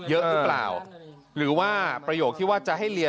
แล้วเราก็ใส่เพิ่มไปอีก